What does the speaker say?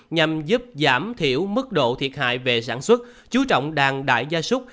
nhằm giúp giảm thiểu mức độ thiệt hại về sản xuất chú trọng đàn đại gia súc